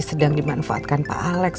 sedang dimanfaatkan pak alex